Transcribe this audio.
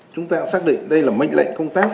chúng ta cũng xác định đây là mệnh lệnh công tác